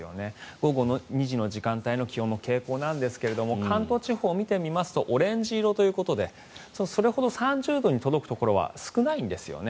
午後２時の時間帯の気温の傾向なんですが関東地方、見てみますとオレンジ色ということでそれほど３０度に届くところは少ないんですよね。